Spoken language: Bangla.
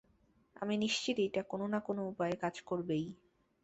আমি নিশ্চিত এইটা কোন না কোন উপায়ে কাজ করবেই।